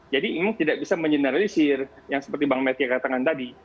jadi ini tidak bisa mengeneralisir yang seperti bang mekya katakan tadi